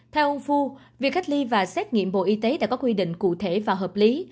theo ông phu việc cách ly và xét nghiệm bộ y tế đã có quy định cụ thể và hợp lý